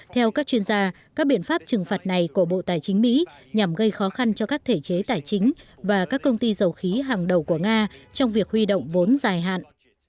theo các chuyên gia các biện pháp trừng phạt này của bộ tài chính mỹ nhằm gây khó khăn cho các thể chế tài chính và các công ty dầu khí hàng đầu của nga trong việc huy động vốn dài hạn